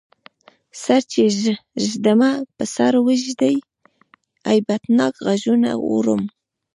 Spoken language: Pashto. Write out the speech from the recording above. سر چی ږدمه په سر ویږدی، هیبتناک غږونه اورم